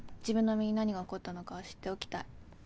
自分の身に何が起こったのかは知っておきたい。